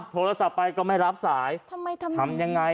โทรศัพท์ไปก็ไม่รับสายทำไมทำยังไง